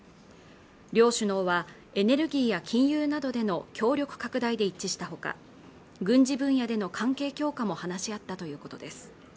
両首脳はエネルギーや金融などでの協力拡大で一致したほか軍事分野での関係強化も話し合ったということです